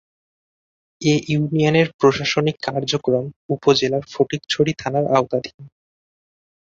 এ ইউনিয়নের প্রশাসনিক কার্যক্রম উপজেলার ফটিকছড়ি থানার আওতাধীন।